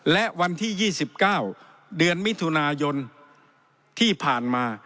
และวันที่๒๙เดือนมิถุนายนที่ผ่านมา